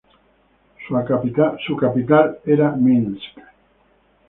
Sua capital era Minsk.